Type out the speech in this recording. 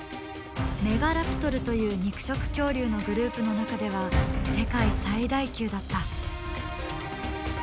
メガラプトルという肉食恐竜のグループの中では世界最大級だった。